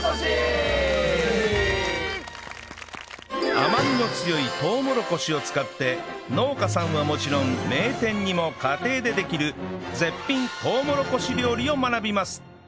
甘みの強いとうもろこしを使って農家さんはもちろん名店にも家庭でできる絶品とうもろこし料理を学びます！